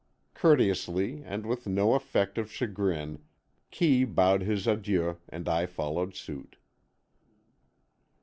Courteously and with no effect of chagrin, Kee bowed his adieu and I followed suit.